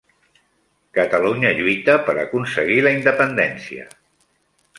Catalunya lluita per aconseguir la independència